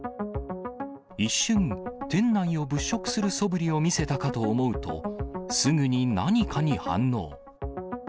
一瞬、店内を物色するそぶりを見せたかと思うと、すぐに何かに反応。